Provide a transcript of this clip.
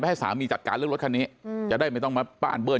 ให้สามีจัดการเรื่องรถคันนี้จะได้ไม่ต้องมาป้านเบิ้